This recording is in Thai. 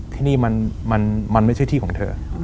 ที่นี่มันไม่ใช่ที่ของเธอ